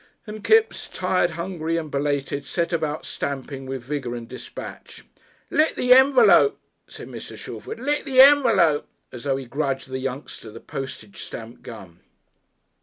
And Kipps, tired, hungry, and belated, set about stamping with vigour and despatch. "Lick the envelope," said Mr. Shalford, "lick the envelope," as though he grudged the youngster the postage stamp gum.